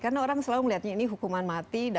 karena orang selalu melihatnya ini hukuman mati